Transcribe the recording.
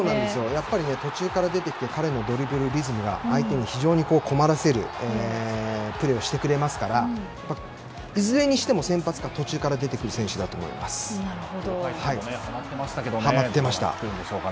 やっぱり途中から出てきて彼のドリブルのリズムが相手を非常に困らせるプレーをしてくれますからいずれにしても先発か途中から出てくる選手だと思います。